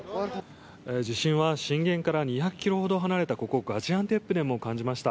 地震は震源から２００ｋｍほど離れたここガジアンテップでも感じました。